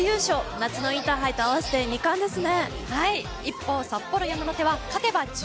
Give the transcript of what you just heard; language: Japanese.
夏のインターハイと合わせて２冠ですね。